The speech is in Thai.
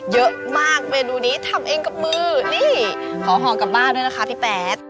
เยอะมากเมนูนี้ทำเองกับมือนี่ขอห่อกลับบ้านด้วยนะคะพี่แป๊ด